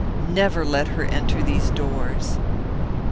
Never let her enter these doors."